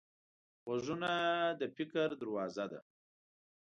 غوږونه د فکر دروازه ده